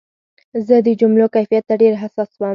زه د جملو کیفیت ته ډېر حساس وم.